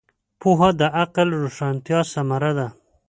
پوهه د عقل د روښانتیا ثمره ده.